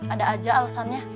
ada aja alesannya